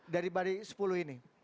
dari baris sepuluh ini